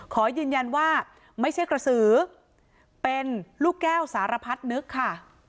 ขอยืนยันว่าไม่ใช่กระสือเป็นลูกแก้วสารพัดนึกค่ะ